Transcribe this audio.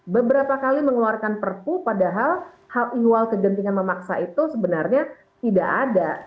beberapa kali mengeluarkan perpu padahal hal hal kegentingan memaksa itu sebenarnya tidak ada